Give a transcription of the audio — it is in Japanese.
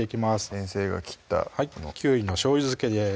先生が切ったきゅうりのしょうゆ漬けです